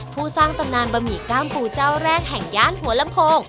ผู้สร้างตำนานบะหมี่ก้ามปูเจ้าแรกแห่งย่านหัวลำโพง